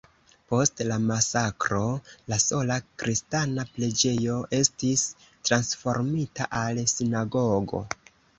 Post la masakro, la sola kristana preĝejo estis transformita al sinagogo.